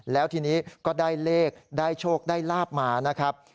แล้วทีนี้ก็ได้เลขได้โชคได้ลาบมานะครับ